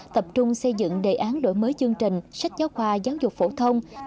tập trung xây dựng đề án đổi mới chương trình sách giáo khoa giáo dục phổ thông